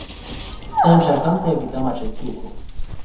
Să încercăm să evităm acest lucru.